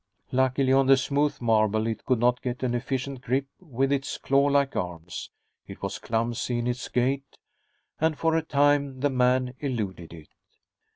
Luckily, on the smooth marble it could not get an efficient grip with its clawlike arms. It was clumsy in its gait, and for a time the man eluded it.